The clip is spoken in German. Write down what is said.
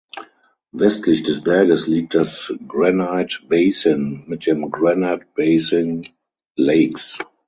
Westlich des Berges liegt das "Granite Basin" mit den "Granite Basin Lakes".